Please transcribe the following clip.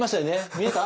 見えた？